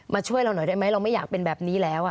ช่วยเราหน่อยได้ไหมเราไม่อยากเป็นแบบนี้แล้ว